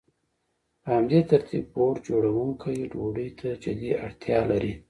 په همدې ترتیب بوټ جوړونکی ډوډۍ ته جدي اړتیا لري